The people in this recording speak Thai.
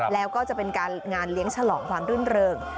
แล้วก็จะเป็นการงานเลี้ยงฉลองความรื่นเริง